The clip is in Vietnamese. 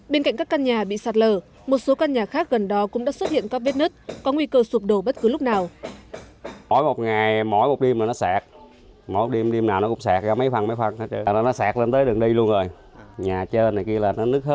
bên cạnh các căn nhà bị sạt lở một số căn nhà khác gần đó cũng đã xuất hiện các vết nứt có nguy cơ sụp đổ bất cứ lúc nào